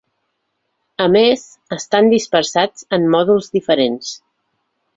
A més, estan dispersats en mòduls diferents.